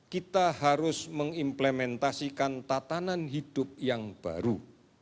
kita harus mengimplementasikan tatanan hidup yang baru